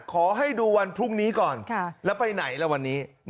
ขอให้ดูวันพรุ่งนี้ก่อนแล้วไปไหนล่ะวันนี้